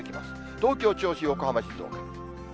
東京、銚子、横浜、静岡。